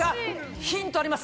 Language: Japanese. ヒントあります。